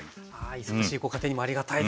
忙しいご家庭にもありがたいですね。